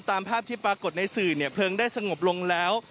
ตามภาพที่ปรากฏในสื่อเนี่ยเพลิงได้สงบลงแล้ว